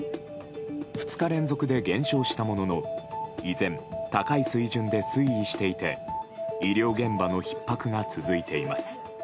２日連続で減少したものの依然、高い水準で推移していて医療現場のひっ迫が続いています。